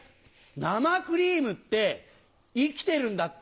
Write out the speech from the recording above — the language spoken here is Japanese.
生クリームって生きてるんだって。